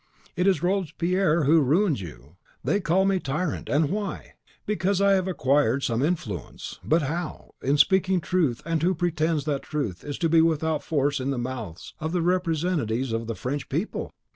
it is Robespierre who ruins you. They call me tyrant! and why? Because I have acquired some influence; but how? in speaking truth; and who pretends that truth is to be without force in the mouths of the Representatives of the French people?